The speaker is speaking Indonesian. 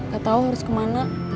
gak tahu harus kemana